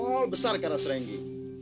nilainya adalah besar karena serenggi